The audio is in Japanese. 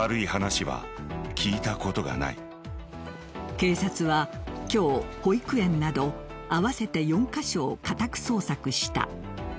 警察は今日、保育園など合わせて４カ所を家宅捜索した。